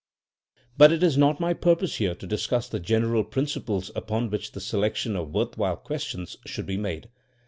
But it is not my purpose here to discuss the general principles upon which the selection of worth while questions should be made.